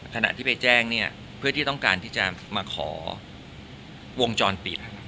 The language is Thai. ตรวจแจ้งเพื่อที่จะมาขอวงจรปิด